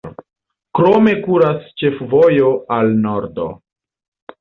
Krome kuras ĉefvojo al nordo.